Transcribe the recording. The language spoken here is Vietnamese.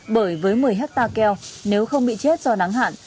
bởi với một mươi hectare keo nếu không bị chết do nắng hạn